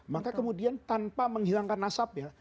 maka kemudian tanpa menghilangkan nasab ya